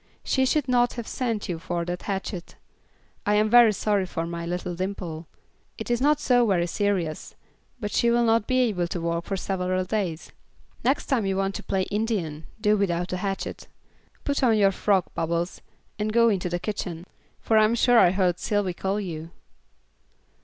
She should not have sent you for the hatchet. I am very sorry for my little Dimple; it is not so very serious, but she will not be able to walk for several days. Next time you want to play Indian, do without a hatchet. Put on your frock, Bubbles, and go into the kitchen, for I'm sure I heard Sylvy call you."